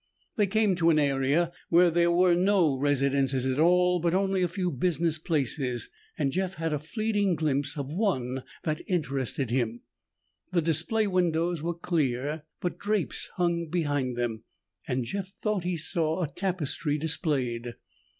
They came to an area where there were no residences at all but only a few business places, and Jeff had a fleeting glimpse of one that interested him. The display windows were clear, but drapes hung behind them and Jeff thought he saw a tapestry displayed.